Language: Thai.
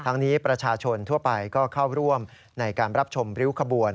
นี้ประชาชนทั่วไปก็เข้าร่วมในการรับชมริ้วขบวน